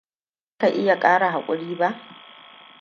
Shin baza ka iya kara hakuri ba?